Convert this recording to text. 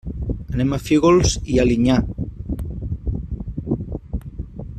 Anem a Fígols i Alinyà.